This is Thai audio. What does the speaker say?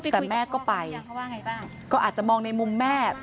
แต่แม่ก็ไปก็อาจจะมองในมุมแม่